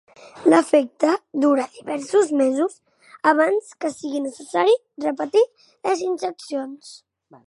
L'efecte dura diversos mesos abans que sigui necessari repetir les injeccions.